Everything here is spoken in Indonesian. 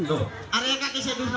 ada yang kakaknya sedih sedih apa sih